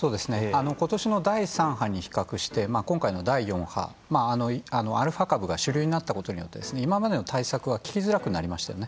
ことしの第３波に比較して今回の第４波アルファ株が主流になったことによって今までの対策が効きづらくなりましたよな。